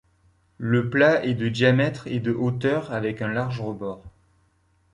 Le plat est de diamètre et de hauteur avec un large rebord.